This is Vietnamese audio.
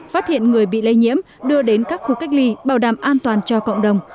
phát hiện người bị lây nhiễm đưa đến các khu cách ly bảo đảm an toàn cho cộng đồng